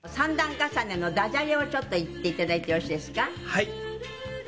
「はい」